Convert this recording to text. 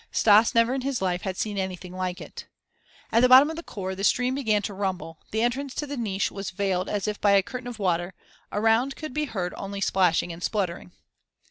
Stas never in his life had seen anything like it. At the bottom of the khor the stream began to rumble; the entrance to the niche was veiled as if by a curtain of water; around could be heard only splashing and spluttering.